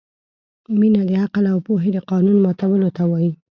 مینه د عقل او پوهې د قانون ماتولو ته وايي.